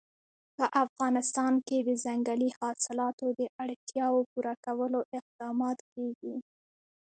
په افغانستان کې د ځنګلي حاصلاتو د اړتیاوو پوره کولو اقدامات کېږي.